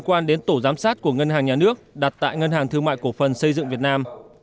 quan đến tổ giám sát của ngân hàng nhà nước đặt tại ngân hàng thương mại cổ phần xây dựng việt nam